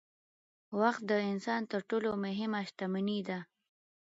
وخت د انسان تر ټولو مهمه شتمني ده